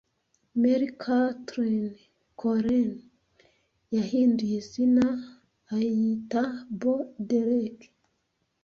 Mary Cathleen Collins yahinduye izina ayita Bo Derek